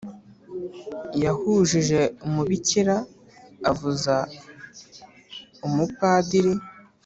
yahujije umubikira, avuza umupadiri